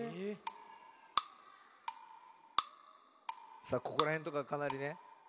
さあここらへんとかかなりね。